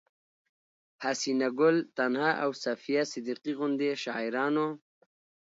حسينه ګل تنها او صفيه صديقي غوندې شاعرانو